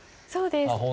そうです。